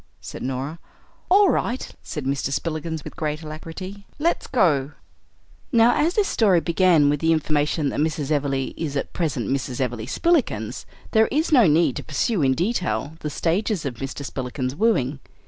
said Norah. "All right," said Mr. Spillikins with great alacrity, "let's go." Now as this story began with the information that Mrs. Everleigh is at present Mrs. Everleigh Spillikins, there is no need to pursue in detail the stages of Mr. Spillikins's wooing.